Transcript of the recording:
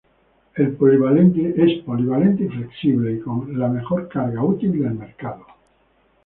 Es polivalente y flexible y con la mejor carga útil del mercado.